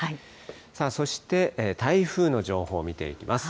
そして台風の情報を見ていきます。